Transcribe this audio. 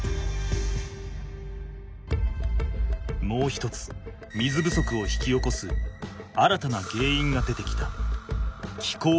もう一つ水不足を引き起こす新たなげんいんが出てきた。